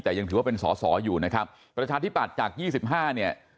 แต่ยังถือว่าเป็นสอสออยู่นะครับประชาธิปัตย์จาก๒๕เนี่ย